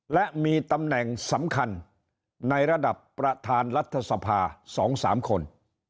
และมีตำแหน่งสำคัญในระดับประธานรัฐสภา๒๓คน